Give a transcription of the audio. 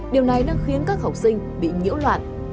điều này đang khiến các học sinh bị nhiễu loạn